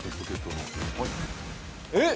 ◆えっ？